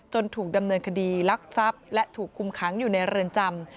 ถูกดำเนินคดีลักทรัพย์และถูกคุมขังอยู่ในเรือนจำ